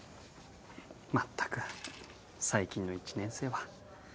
まったく最近の１年生は。